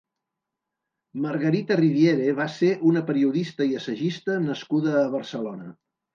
Margarita Rivière va ser una periodista i assagista nascuda a Barcelona.